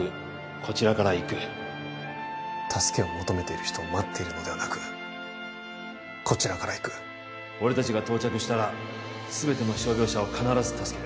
こちらから行く助けを求めている人を待っているのではなくこちらから行く俺達が到着したら全ての傷病者を必ず助ける